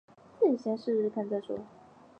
自己先试试看再说